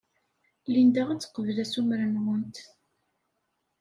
Linda ad teqbel assumer-nwent.